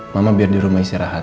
mama biar di rumah istirahat